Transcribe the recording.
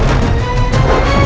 aku ingin menemukanmu